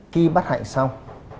khi bắt hạnh xong